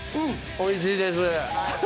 うん、おいしいです。